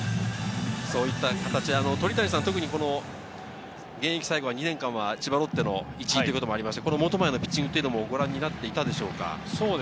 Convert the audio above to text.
鳥谷さんは特に現役最後２年間、千葉ロッテの一員ということもありまして、本前のピッチングはご覧になっていたでしょうか。